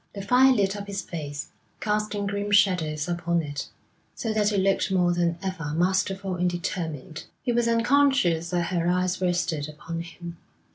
The fire lit up his face, casting grim shadows upon it, so that it looked more than ever masterful and determined. He was unconscious that her eyes rested upon him.